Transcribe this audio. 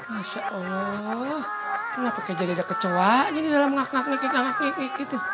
masya allah kenapa kayak jadi ada kecohanya nih dalam ngak ngak ngik ngak ngik gitu